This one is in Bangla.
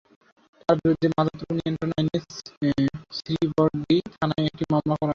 তাঁর বিরুদ্ধে মাদকদ্রব্য নিয়ন্ত্রণ আইনে শ্রীবরদী থানায় একটি মামলা করা হয়েছে।